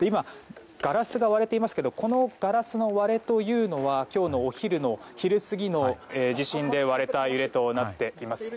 今、ガラスが割れていますけどこのガラスの割れというのは今日の昼過ぎの地震の揺れで割れたガラスとなっています。